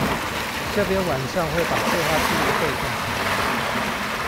這邊晚上會把對話記錄備份起來